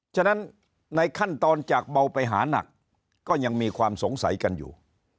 ฉะนั้นในขั้นตอนจากเบาไปหานักก็ยังมีความสงสัยกันอยู่